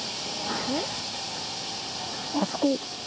あそこ。